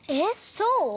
そう？